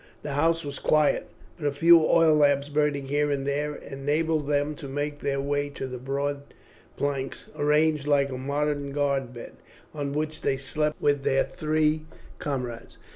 The house was quiet, but a few oil lamps burning here and there enabled them to make their way to the broad planks, arranged like a modern guard bed, on which they slept with their three comrades.